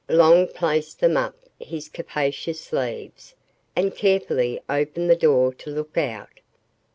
Long placed them up his capacious sleeves and carefully opened the door to look out.